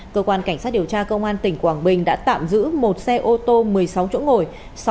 cơ quan cảnh sát điều tra công an tỉnh quảng bình đã tạm giữ một xe ô tô một mươi sáu chỗ ngồi